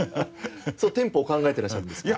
テンポを考えてらっしゃるんですか？